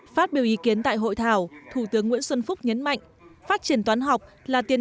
phát biểu ý kiến tại hội thảo thủ tướng nguyễn xuân phúc nhấn mạnh phát triển toán học là tiên